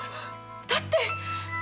だって。